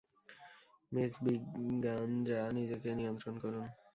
Miss Braganza নিজেকে নিয়ন্ত্রণ করুন।